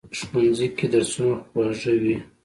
ښوونځی کې درسونه خوږ وي